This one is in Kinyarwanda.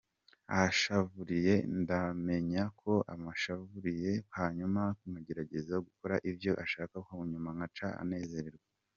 Anshavuriye ndamenya ko anshavuriye, hanyuma nkagerageza gukora ivyo ashaka hanyuma agaca anezerwa.